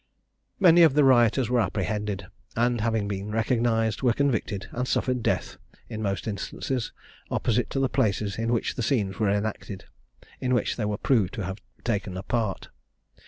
Many of the rioters were apprehended, and having been recognised, were convicted, and suffered death in most instances opposite to the places in which the scenes were enacted, in which they were proved to have taken a part.